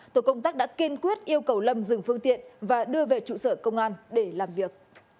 tổ công tác đã kiên quyết yêu cầu lâm dừng phương tiện và đưa về trụ sở công an để làm việc